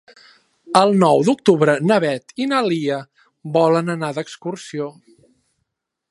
El nou d'octubre na Beth i na Lia volen anar d'excursió.